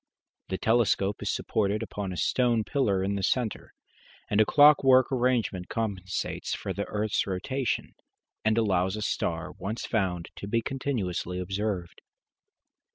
The telescope is supported upon a stone pillar in the centre, and a clockwork arrangement compensates for the earth's rotation, and allows a star once found to be continuously observed.